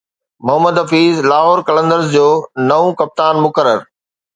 محمد حفيظ لاهور قلندرز جو نئون ڪپتان مقرر